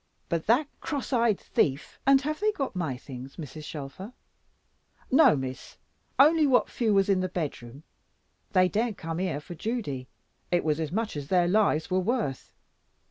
But that cross eyed thief " "And have they got my things, Mrs. Shelfer?" "No, Miss; only what few was in the bedroom; they daren't come here for Judy. It was as much as their lives were worth.